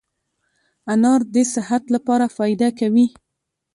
انار دي صحت لپاره فایده کوي